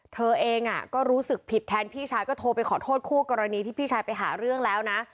เธอเองก็รู้สึกผิดแทนพี่ชายก็โทรไปขอโทษคู่กรณีที่พี่ชายไปหาเรื่องแล้วนะ